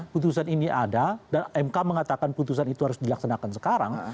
putusan ini ada dan mk mengatakan putusan itu harus dilaksanakan sekarang